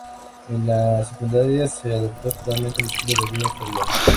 En la secundaría, se adaptó totalmente al estilo de vida Australiano.